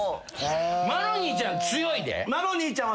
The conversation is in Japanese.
マロニーちゃん強いで。